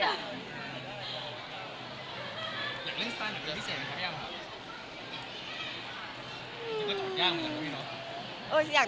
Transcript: อยากเล่นสไตล์หนักเยอะพิเศษไหมครับยังค่ะ